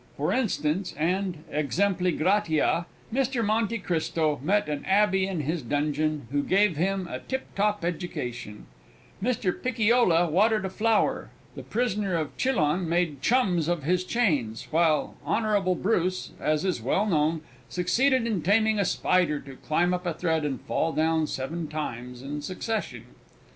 For instance, and exempli gratia, Mr Monty Christo met an abbey in his dungeon, who gave him a tip top education; Mr Picciola watered a flower; the Prisoner of Chillon made chums of his chains; while Honble Bruce, as is well known, succeeded in taming a spider to climb up a thread and fall down seven times in succession.